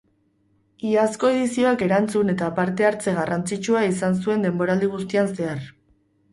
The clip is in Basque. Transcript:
Iazko edizioak erantzun eta parte hartze garrantzitsua izan zuen denboraldi guztian zehar.